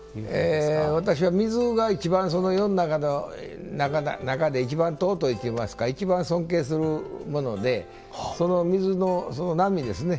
私は水がいちばん世の中でいちばん尊いといいますかいちばん尊敬するものでその水の波ですね。